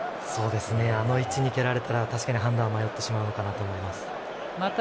あの位置に蹴られたら確かに判断は迷ってしまうかなと思います。